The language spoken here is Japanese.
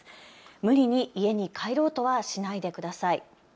無理に家に帰ろうとはしないでください。